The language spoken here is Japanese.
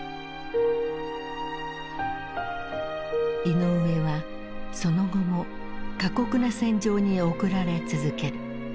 イノウエはその後も過酷な戦場に送られ続ける。